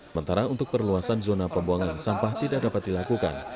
mentara untuk perluasan zona pembuangan sampah tidak dapat dilakukan